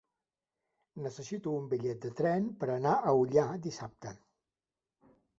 Necessito un bitllet de tren per anar a Ullà dissabte.